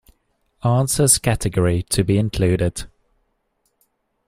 Answers category to be included.